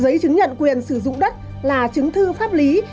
giấy chứng nhận quyền sử dụng đất là chứng thư pháp lý